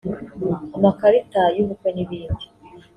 amakarita y’ubukwe n’ibindi